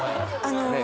あの。